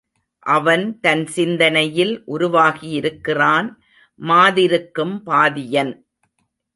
அவன் தன் சிந்தனையில் உருவாகியிருக்கிறான் மாதிருக்கும் பாதியன்.